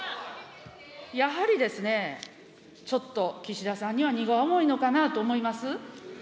やはりですね、ちょっと岸田さんには荷が重いのかなと思います。